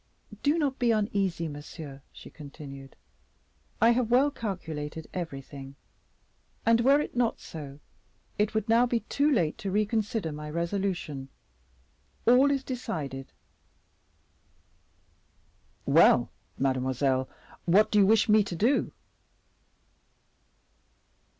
"Do not be uneasy, monsieur," she continued: "I have well calculated everything; and were it not so, it would now be too late to reconsider my resolution, all is decided." "Well, mademoiselle, what do you wish me to do?"